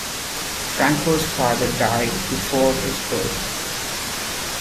Franco's father died before his birth.